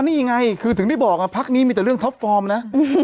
นี่ไงคือถึงได้บอกพักนี้มีแต่เรื่องท็อปฟอร์มนะ